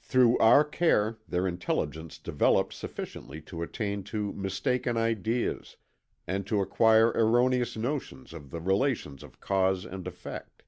Through our care their intelligence developed sufficiently to attain to mistaken ideas, and to acquire erroneous notions of the relations of cause and effect.